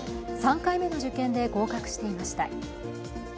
３回目の受験で合格していました。